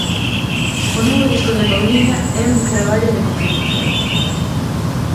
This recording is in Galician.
O novo disco de Pauliña é un traballo de confirmación.